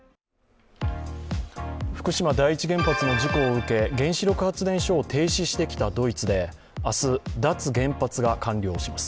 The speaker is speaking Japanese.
福島第一原発の事故を受け原子力発電所を停止してきたドイツで明日、脱原発が完了します。